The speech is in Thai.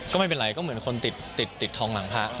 ก็ไม่เป็นไรก็เหมือนคนติดทองหลังพระ